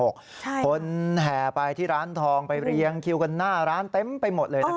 คนแห่ไปที่ร้านทองไปเรียงคิวกันหน้าร้านเต็มไปหมดเลยนะครับ